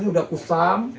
ini udah kusam